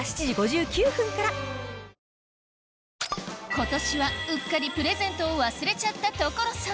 今年はうっかりプレゼントを忘れちゃった所さん